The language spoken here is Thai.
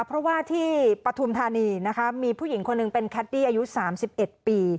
เพราะว่าที่ปฐุมธานีนะคะมีผู้หญิงคนหนึ่งเป็นแคดดี้อายุ๓๑ปี